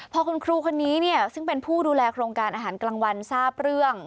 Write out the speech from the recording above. พอคุณครูคนนี้เนี่ยซึ่งเป็นผู้ดูแลโครงการอาหารกลางวันทราบเรื่อง